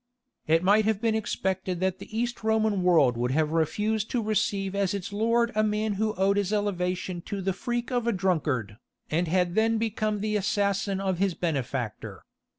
It might have been expected that the East Roman world would have refused to receive as its lord a man who owed his elevation to the freak of a drunkard, and had then become the assassin of his benefactor.